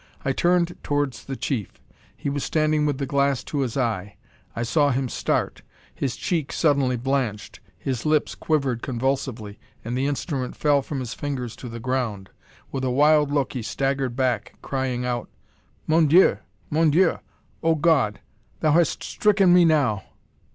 I turned towards the chief. He was standing with the glass to his eye. I saw him start; his cheek suddenly blanched; his lips quivered convulsively, and the instrument fell from his fingers to the ground! With a wild look he staggered back, crying out "Mon Dieu! Mon Dieu! Oh, God! Thou hast stricken me now!"